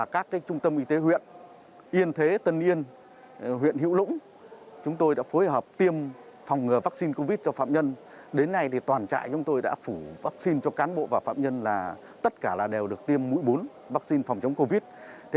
chúng tôi đã phủ vaccine cho cán bộ và phạm nhân là tất cả đều được tiêm mũi bốn vaccine phòng chống covid